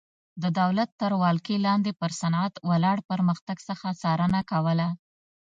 د دولت تر ولکې لاندې پر صنعت ولاړ پرمختګ څخه څارنه کوله.